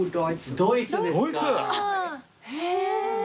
ドイツ！